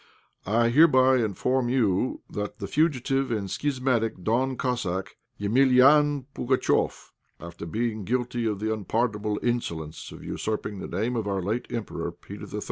_ "I hereby inform you that the fugitive and schismatic Don Cossack, Emelian Pugatchéf, after being guilty of the unpardonable insolence of usurping the name of our late Emperor, Peter III.